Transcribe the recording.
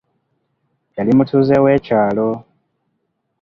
Yali mutuuze w'ekyalo.